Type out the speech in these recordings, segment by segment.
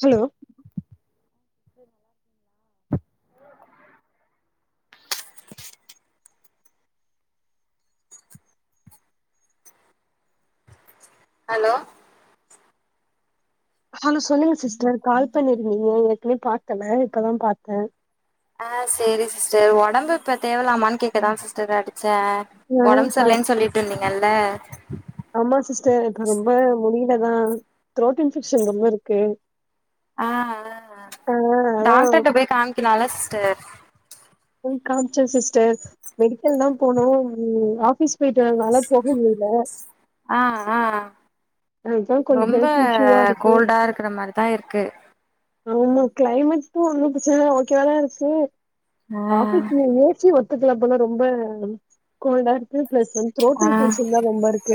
Hello hello hello சொல்லுங்க sister call பண்ணிருந்தீங்க ஏற்கனே பாக்கல இப்பதா பாத்தே ஆ சேரி சிஸ்டர் உடம்பு இப் ப தேவலாமான் கேக்கதா சிஸ்டர் அடிச்சே ஆ உடம்பு ப சரில்லேன்னு சொல்லிட்டு இருந்தீங்கல்ல ஆமா சிஸ்டர் இப்ப ரொம்ப முடியில தா த்ரோட் இன்பெக்க்ஷன் ரொம்ப இருக்கு ஆ ஹ ஹ ஆ அதா டாக்டர்கிட்ட போய் காமிக்கலால சிஸ்டர் போய் காமீச்ச சிஸ்டர் மெடிக்கல் தா போனோ ம் ஆபீஸ் போய்டதனால போக முடில ஆ ஆ அதுதா கொஞ்சோ ரொம்ப ஹெல்த் இஷ்யூவா இருக்கு கோல்டா இருக்கிற மாரிதா இருக்கு ஆமா கிளைமேட்டு ஒண்ணும் பிரச்சன இல்ல ஓகேவாதா இருக்கு ஆ ஆபீஸ்ல ஏசி ஒத்துக்கல போல ரொம்ப கோல்டா இருக்கு பிளஸ் வந் த்ரோட் இன்பெக்க்ஷன் தா ரொம்ப இருக்கு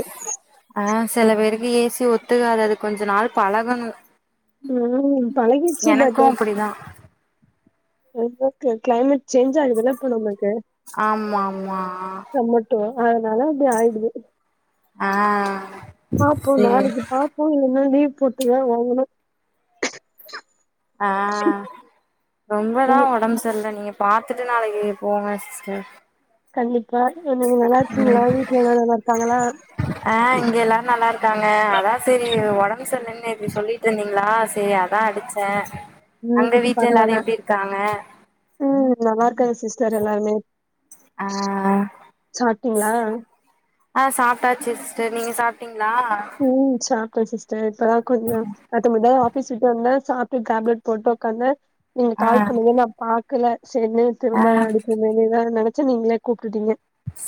அ சில பேருக்கு ஏசி ஒத்துகாது அது கொஞ்ச நாள் பழகணு ம் பழகிச்சு எனக்கு பட் அப்டிதா [unintelligible] க்ளைமேட் செஞ்சா [unintelligible] ஆமா ஆமா டொ அதனால இப்டி ஆய்டுது அ பாப்போ நாளைக்கு பாப்போ இல்லனா லீவ் போட்டுதா வாங்கணு அ ரொம்பதா நீங்க ஒடம்பு சர்ல்ல நீங்க பாத்துட்டு நாளக்கி போவே சிஸ்டர் கண்டிப்பா நீங்க நல்லா இருக்கீங்ளா வீட்ல எல்லா நல்லா இருக்காங்களா அ இங்க எல்லாரு நல்லா இருக்காங்க அதா செரி ஒடம்பு சரில்லன்னு நேத்து சொல்லி ட்ருந்திங்ளா செரி அதா அடுச்சே ம் அங்க இப்ப வீட்ல எல்லாரு பரவால்ல எப்டி இருக்காங்க ம் நல்லா இருக்காங்க சிஸ்டர் எல்லாருமே ஆ சாப்ட்டிங்ளா அ சாப்ட்டாச்சு சிஸ்டர் நீங்க சாப்ட்டிங்ளா ம் சாப்ட சிஸ்டர் இப்ப தா கொஞ்சொ [unintelligible] பேசிட்டு வந்தே சாப்ட்டு டேப்லெட் போட்டு உக்காந்தெ நீங்க ஆ கால் பண்ணிங்க நா பாக்கல சேர்ன்னு ஆ திரும்ப அடிக்கனும்னு தா நெனச்செ நீங்ளே கூப்ட்டுட்டீங்க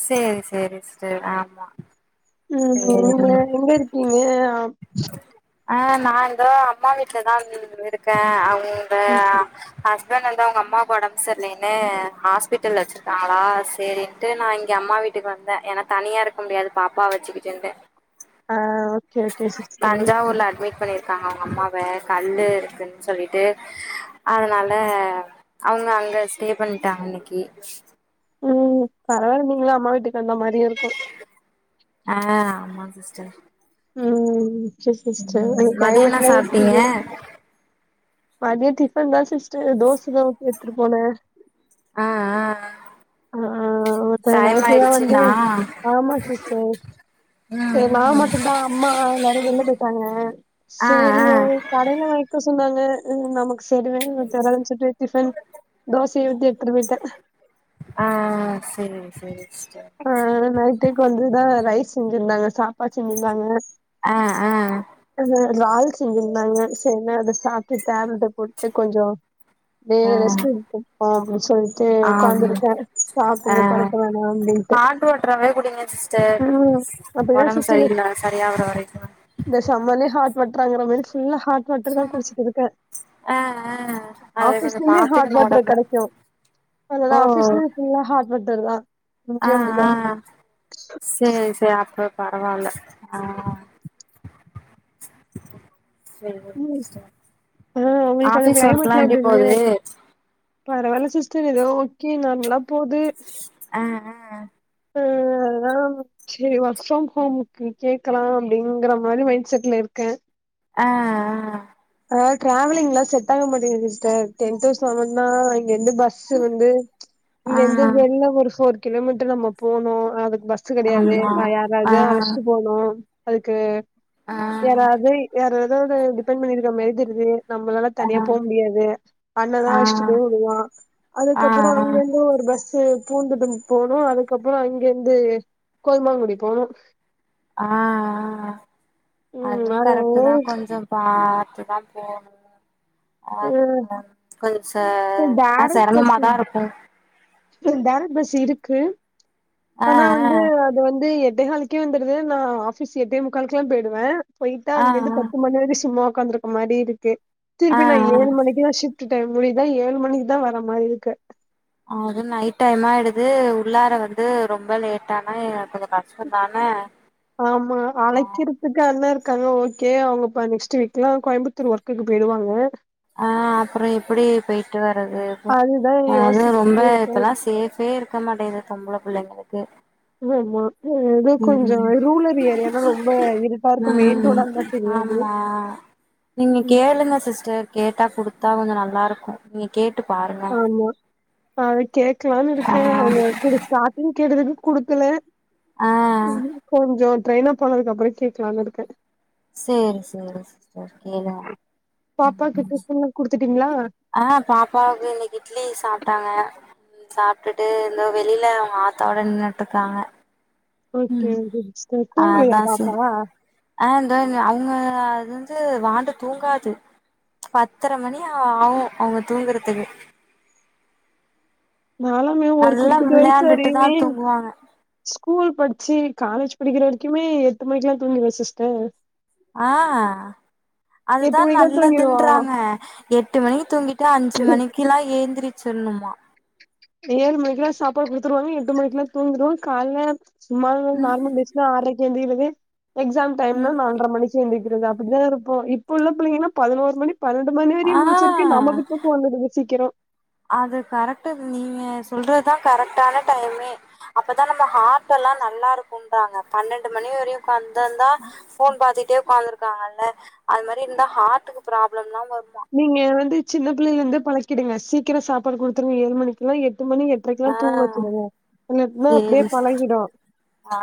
சேரி சேரி சிஸ்டர் ஆமா ம் சேரி ம் நீங்க எங்க இருக்கீங்க ஆ அ நா இந்தோ அம்மா வீட்லதா [unintelligible] இருக்கே அவ்ங்க [inaudible] ஹஸ்பண்ட் வந்து அவுங்க அம்மாக்கு ஒடம்பு சரில்லென்னு ஹாஸ்பிட்டல்ல வச்ருக்காங்ளா சேரின் ன்டு நா இங்க அம்மா வீட்டுக்கு வந்தே ஏன்னா தனியா இருக்க முடியாது பாப்பாவ வச்சுக்கிட்டுனு அ கே கே சிஸ் தஞ்சாவூர்ல அட்மிட் பண்ணிர் க்காங்க அவுங்க அம்மாவ கல்லுஃ இருக்குன்னு சொல்லிட்டு அதுனால அவுங்க அங்க ஸ்டே பண்ட்டாங்க இன்னக்கி ம் பரவாயில்ல நீங்களு அம்மா வீட்டுக்கு வந்த மாரி இருக்கு அ ஆமா சிஸ்டர் ம் செர் சிஸ்டர் ம் அங்க மதிய என்ன க்ளைமேட்லா சாப்ட்டீங்க எப்புடிகு மதியொ டிஃபன் தா சிஸ்டர் தோசதா ஊத்தி எட்த்துட்டு போனே அ அ அ ஆ இப்ப டையம் நைட்டு தா வந்து ஆயிடுச்சுன்னா ஆமா சிஸ்டர் ம் சேரி நா ம் மட்டுந்தா அம்மா எல்லாரு வெள்ல பொயிட்டாங்க ஆ சேரி ஆ கடைல வாங்க்க சொன்னாங்க நமக்கு [unintelligible] டிஃபன் தோசைய ஊத்தி எட்த்துட்டு பொயிட்டே அ அ செரி செரி சிஸ்டர் அ நைட்டுக்கு வந்துதா ரைஸ் செஞ்சிருந்தாங்க சாப்டாச்சு நல்லா ஆ ஆ அ ரால் செஞ்சிருந்தாங்க செர்னு அத சாப்ட்டு டேப்லெட்ட போட்டு கொஞ்சொ அப்டியே ஆ ரெஸ்ட் எடுப்போம்பா அப்டின் சொல்ட்டு சேரி ஆம் ஒக்காந்து இருக்கெ ஆ சாப்ட்டோனே படுக்க வேணா அப்டின் ஹாட் வாட்றாவே குடிங்க சிஸ்டர் அப்டிதா ஒடம்பு சிஸ்டர் சரியில்லா சரியாகுற வரைக்கு இந்த சம்மர்லயு ஹாட் வாட்றாங்குற மாரி ஃபுல்லா ஹாட் வாட்டர் தா குடுச்சிட்டு இருக்கே ஆ ஆ அது கொஞ்சோ ஆஃபீஸ்லயுமே ஹாட் பாத்துக்கணு வாட்ரு ஒடம்ப கெடைக்கு ஓ அதனால ஆபீஸ்லயு ஃபுல்லா ஹாட் வாட்டர் தா இங்கயு அப்டிதா செரி செரி அப்பறோ பரவாயில்ல ஆ செரிங்க ம் சிஸ்டர் ஆ உங்களுக்கு அங்க ஆபிஸ் ஒர்க் எல்லா எப்டி போகுது பரவாயில்ல சிஸ்டர் எதோ ஓகே நார்மளா போது ஆ அ அ [unintelligible] ம் செரி ஒர்க் ஃபிரம் ஹோம்க்கு கேட்கலா அப்படிங்கற மாரி மைண்ட் செட்ல இருக்கே ஆ ஆ டிராவலிங்லா செட் ஆக மாட்டேங்குது சிஸ்டர் டென் டூ செவனா இங்கருந்து பஸ் சு வந்து இங்க ஆ இந்து ஆ வெளில ஒரு ஃபோர் கிலோமீட்டர் நம்ம போனோ அதுக்கு பஸ் ச்சு கெடையாது ஆமா யாராவது அழஸ்ட்டு ஆ போ ம் அதுக்கு ஆ யாராது யாராதோட டிபென் பண்ணி [unintelligible] நம்மளால தனியா ஆ போக முடியாது ஆ அங்கதா [unintelligible] விடுவா ஆ ஆ அதுக்கப்றோ அங்கிருந்து ஒரு பஸ் ச பூந்துட்டு போனோ அதுக்கப்றோ அங்கிருந்து கோயமாங்குடி போனோ ஆஹ அதுவு கரெக்ட் தா ம் கொஞ்சோ பாத்து தா போணு அ அஹ் கொஞ்ச செ டைரக்ட் பஸ் செரமமா தா இருக்கு டைரக்ட் பஸ் இருக்கு ஆ ஆனா ஆ வந்து இது வந்து எட்டே காலுக்கே வந்துடுது நா ஆபிஸ் எட்டே முக்காளுக்கெல்லா போயிடுவே போயிட்டா ஆ அங்கிருந்து பத்து மணி வரைக்கு சும்மா உடக்காந்துருக்க மாரி இருக்கு ஆ திருப்பி நா ஏழு ஆ மணிக்குதா ஷிப்ட் ட்டு டைம் முடிதா ஏழு மணிக்கு தா வர மாரி இருக்கு அது நைட் டைமாயிடுது உள்ளார வந்து ரொம்ப லேட்டானா எனக் கொஞ்ச கஷ்டோந்தானே ஆமா அழைக்கிர் எனக்கு அண்ணா இருக்காங்க ஓகே அவங்க இப்ப நெக்ஸ்ட் வீக்ல்லா கோயம்பத்தூர் ஒர்க்குக்கு போயிடுவாங்க ஆ அப்றோ எப்டி போயிட்டு வர்றது அதுதா அத ரொம்ப யோசிச்சுட்டு இருக்கே இப்பெல்லா சேஃப்பே இருக்க மாட்டேங்கது பொம்பள புள்ளைங்களுக்கு இது அம்மா ஹ் எதோ கொஞ்சோ ரூரல் ஏரிய தா ரொம்ப இருட்டா இருக்கு மெயின் ரோடா இருந்தா தெரியாது ஆ நீங்க ம் கேளுங்க சிஸ்டர் கேட்டா குடுத்தா கொஞ்ச நல்லா இருக்கு நீங்க கேட்டு பாருங்க அது கேக்கலானு ஆ இருக்கே அவங்க ஸ்டார்ட்டிங் கேட்டதுக்கு குடுக்கல ஆ கொஞ்சோ ட்ரெயின் அப் பண்ணதுக்கு அப்றோ கேக்கலானு இருக்கே சேரி சேரி சிஸ்டர் கேளுங்க பாப்பாக்கு ம் டிஃபன்லா குடுத்துட்டீங்களா ஆ பாப்பாவுக்கு இன்னிக்கு இட்லி சாப்டாங்க சாப்ட்டுட்டு இந்தோ வெளியில அவுங்க ஆத்தாவோட நின்னுட்டு இருக்காங்க ஓகேங்க சிஸ்டர் தூங்கலையா அதா சேரி பாப்பா ஆ இந்தோ அது அவுங்க அது வந்து வாண்டு தூங்காது பத்தர மணிஆவு அவுங்க தூங்குறதுக்கு நாலாமே ஒரு நல்லா குறிப்பிட்ட ஏஜ் விளையாண்டுட்டு தா வரையுமே தூங்குவாங்க ஸ்கூல் படிச்சு காலேஜ் படிக்கிற வரைக்குமே எட்டு மணிக்குல்லா தூங்கிருவே சிஸ்டர் ஆ எட்டு அதுதா மணிக்குலா தூங்கிருவா நல்லதுன்றாங்க எட்டு மணிக்கு தூங்கிட்டு அஞ்சு மணிக்கெல்லா ஏந்திரிச்சுட்ணுமா ஏழு மணிக்குலா சாப்பாடு குடுத்துருவாங்க எட்டு மணிக்குலா தூங்கிருவோ காலைல சும்மாலு நார்மல் டேஸ் நா ஆரைக்கு எழுந்திரிக்கிது எக்ஸாம் டைம்னா நால்ர மணிக்கு எந்திரிக்கிறது அப்டிதா இருப்போ இப்போ உள்ள பிள்ளங்கனா பதினொர் மணி பன்னெண்டு மணி வெரையு ஆ முழுச்சுருக்கே நமக்கு தூக்கோ வந்துருது சீக்கிரோ அது கரெக்ட்டு நீங்க சொல்றதுதா கரெக்டான டையமே அப்பதா நம்ம ஹார்ட்டல்லா நல்லா இருக்குன்றாங்க பன்னெண்டு மணி வரையு உக்காந் தா இருந்தா போன் பாத்துகிட்டே உக்காந்துருக்காங்கல்ல அது மாரி இருந்தா ஹார்டுக்கு ப்ராப்ளம்லா வருமா நீங்க வந்து சின்ன புள்ளையில இருந்து பழக்கிடுங்க சீக்கிரோ சாப்பாடு குடுத்துருங்க ஏழு மணிக்குல்லா எட்டு மணி எட் எட்ரைகெல்லா ஆ தூங்க வச்சுடுங்க இல்லாட்டினா அப்டியே சேரி பழகிடு ஆ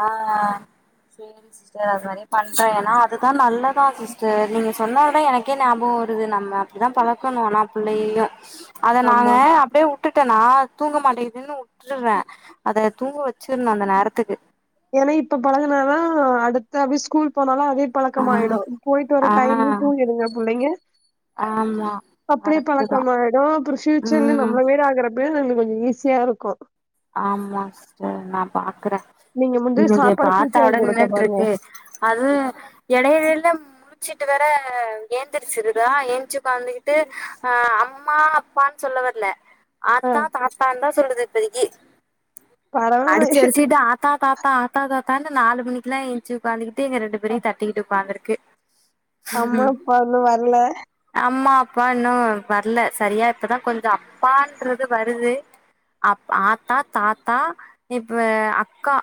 செரி சிஸ்டர் அது மாரி பண்றே ஏன்னா அதுதா நல்ல பா சிஸ்டர் நீங்க சொன்ன ஒட்னே எனக்கே ஞாபக வருது நம்ம அப்புடிதா பழக்கனு ஆனா புள்ளையையு அத நாங்க ஆமா அப்டியே வுட்டுட்டேனா தூங்க மாட்டேங்கிதுன்னு வுட்டுறே அத தூங்க வச்சுர்னு அந்த நேரத்துக்கு ஏன்னா இப்ப பழகுனாதா அடுத்த அப்டியே ஸ்கூல் போனாலு அதே பழக்கமாயிடு பொயிட்டு ஆ வர ஆ டைர்லயு தூங்கிடுங்க புள்ளைங்க ஆமா அப்டியே கரெக்ட்டு தா பழக்கமாயிடு அப்றோ ஃபியூச்சர்ல ம் நம்மள மேர் ஆகுற அப்டியே நம்மளுக்கு கொஞ்சோ ஈஸியா இருக்கு ஆமாங் சிஸ்டர் நா பாக்குறே நீங்க வந்து உன்னுடைய சாப்பாடு பார்த்தா சீக்கிரோ ஓட குடுக்க பாருங்க நின்னுட்ருக்கு அது எடையில இல்லம் சிட்டு வேற ஏந்திரிச்சிருதா ஏந்ச்சு உக்காந்துகிட்டு அ அம்மா அப்பான்னு சொல்ல வர்ல ஆ ஆத்தா தாத்தான்னு தா சொல்லுது இப்பதைக்கி அடிச்சு பரவால்ல அடிச்சுகிட்டு ஆத்தா தாத்தா ஆத்தா தாத்தானு நாலு மணிக்கெல்லா ஏஞ்சு உக்காந்துகிட்டு எங்க ரெண்டு பேரையு தட்டிக்கிட்டு உக்காந்துருக்கு அம்மா அப்பா இன்னு வர்ல அம்மா அப்பா இன்னு வர்ல சரியா இப்பதா கொஞ்சோ அப்பான்றது வருது அப் ஆத்தா தாத்தா இப்ப அக்கா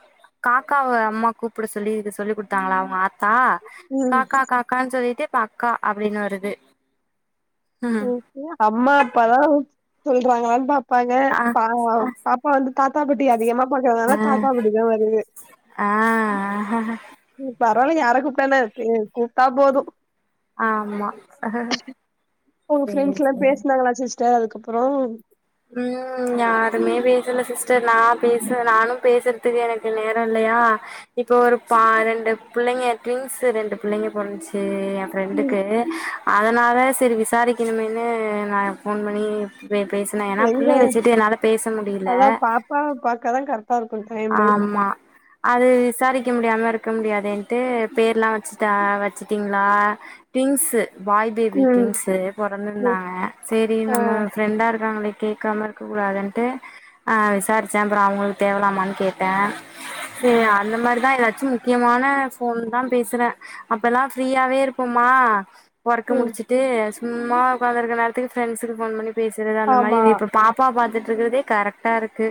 காக்காவ அம்மா கூப்புட சொல்லி இது சொல்லி குடுத்தாங்களா அவுங்க ஆத்தா ம் காக்கா காக்கான்னு சொல்லிட்டு இப்ப அக்கா அப்டின்னு வருது ம் ஹும் அம்மா அப்பா தா சொல்றாங்களான்னு பாப் ப்பாங்க ஆ பா பாப்பா வந்து தாத்தா பாட்டி அதிகமா ஆ பாக்குறதுனால தாத்தா பாட்டி தா வருது ஆ ம் பரவாயில்லங்க யார கூப்ட என்ன கூப்டா போது ஆம்மா உங்க ஃப்ரெண்ட்ஸ் லா பேசுனாங்களா சிஸ்டர் அதுக்கு அப்பறோ ம் ம் யாருமே பேசல சிஸ்டர் நா பேச நானும் பேசறதுக்கு எனக்கு நேரோ இல்லயா இப்போ ஒரு பா ரெண்டு புள்ளைங்க டுவின்ஸ்ஸு ரெண்டு புள்ளைங்க பொறந்துச்சு ஏ ஃப்ர ம் ப்ரெண்டுக்கு அதுனால செரி விசாரிக்கணுமேன்னு நா ஃபோன் பண்ணி பே பேச த்துன ஏனா எங்க புள்ளைய வச்சுட்டு என்னால பேச முடியில பாவ பாக்க தா கரெக்ட் ஆம்மா அது விசாரிக்க முடியாம இருக்க முடியாதேன்ட்டு பேர்லா வச்சுட்டா வச்சுட்டிங்ளா ட்விங்ஸு ஃபாய் பேபி ம் ட்விங்ஸு ம். பொறந்துருதாங்க செரி ஆ நம்ம ஃப்ரெண்டா இருக்காங்களே கேக்காம இருக்க கூடாதுன்ட்டு அ விசாருச்சே அப்பற அவுங்களுக் தேவலாமான் கேட்டே சேரி அந்த மாரிதா எதாச்சு முக்கியமான ஃபோன் தா பேசுற அப்பல்லா ஃப்ரீயாவே இருப்போமா ஒர்க் ம் முடிச்சிட்டு சும்மா உக்காந்துருக்குற நேரத்துக்கு ஃப்ரெண்ட்ஸுக்கு ஃபோன் பண்ணி பேசறது அந்த மாரி ஆமா இப்ப பாப் பா பாத்திட்ருக்கறதே கரெக்டாருக்கு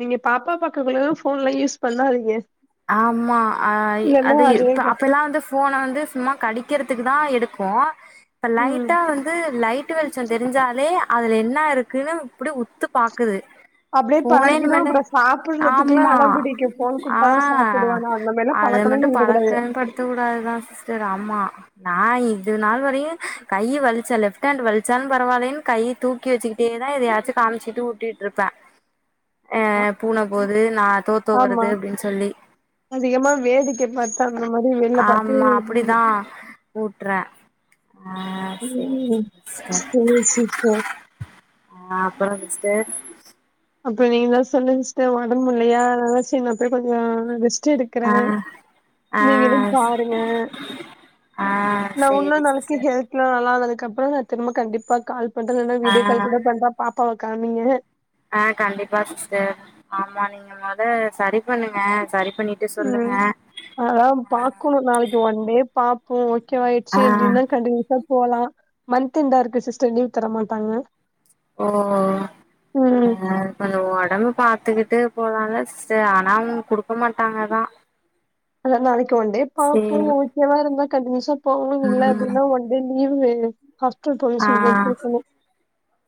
நீங்க பாப்பா பாக்க குள்ளுலா ஃபோன்லா யூஸ் பண்ணாதீங்க ஆம்மா அ இல்லன்னா அது இப்ப அதேதா அப்பலா வந்து ஃபோன வந்து சும்மா கடிக்கறதுக்கு தா எடுக்கோ இப்ப ம் லைட்டா வந்து லைட்டு வெளிச்சோ தெரிஞ்சாலே அதுல என்னா இருக்குனு அப்புடியே உத்து பாக்குது அப்டியே ஃபோனே பழகிடு இனிமேட்டு அப்றோ சாப்புட்றதுக்குல்லா ஆம்மா அடம் புடிக்கு ஃபோன் அ குடுத்தாதா ஹ சாப்புடுவா நா அந்த மாரிலா அத பழக்கமே மட்டு பண்ணிட கூடாது பழக்கமேபடுத்த கூடாதுதா சிஸ்டர் ஆமா நா இது நாள் வரையு கையு வலிச்சா லெஃப்ட் ஹாண்ட் வலிச்சாலூ பரவாலனு கை தூக் கி வெச்சிக்கிட்டேதா எதையாச்சு காம்ச்ட்டு ஊட்டிட்டுருப்ப அ பூன போது நா தோதோ ஆமா வருது அப்டீனு சொல்லி அதிகமா வேடிக்க பாத்தா அந்த மாரி வெளிய பாத்து ஆமா அந்த மாரி அப்டிதா ஊட்றே ஆ சேரி சேரி [unintelligible] சிஸ்டர் செரிங்க சிஸ்டர் ஆ அப்பறோ சிஸ்டர் அப்பறோ நீங்கதா சொல்லுங்க சிஸ்டர் ஒடம்பு முட்ல்யா அதனால செரி நா போய் கொஞ்சோ ரெஸ்ட்டு எடுக் றே ஆ ஆ நீங்களு பாருங்க ஆ சேரி சிஸ்டர் எல்லா நல்லானதுக்கப்புறோ திரும்ப கண்டிப்பா கால் பண்ற இல்லனா ஆ வீடியோ கால் கூட பண்றா பாப்பாவ காமிங்க ஆ கண்டிப்பா சிஸ்டர் ஆமா நீங்க மொத சரி பண்ணுங்க சரி பண்ணிட் ம் அதலா பாக்கணோ நாளைக்கு ஒன் டே பாப் போ ஓகே வா ஆ ஆய்ட்ச்சு அப்டீனா கண்டினியூஸா போலா மந்த் எண்டாருக்கு சிஸ்டர் லீவ் தரமாட்டாங்க ஓ ஆ கொஞ்சோ ஒடம்பு பாத்துக்கிட்டே போலாலா சிஸ்டர் ஆனா அவுங்க குடுக்க மாட்டாங்கதா அதா நாளைக்கு ஒண்டே பாப்போ சேரி ஓகேவா இருந்தா கண்டினியூசா போவோ இல்ல ம் அப்டீன்னா ஒ இங்க லீவுங் கெடயாது ஹாஸ்பிடல் போறன் சொல்லிதா கேக்கனோ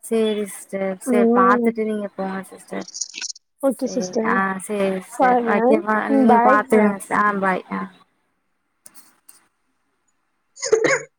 செரி சிஸ்டர் செரி ம் பாத்துட்டு நீங்க போங்க சிஸ் ச ஓகே செரி சிஸ்டர் ஆ செரி சிஸ்டர் பாருங்க வெக்கவா ம் நீங்க பாய் பாத்து ஆ பாய் அ [inaudible]